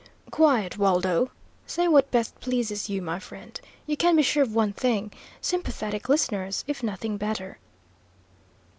"Quiet, Waldo. Say what best pleases you, my friend. You can be sure of one thing, sympathetic listeners, if nothing better."